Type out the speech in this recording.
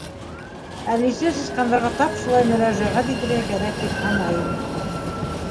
Әлисә сысҡандарға тап шулай мөрәжәғәт итергә кәрәк тип һанай ине.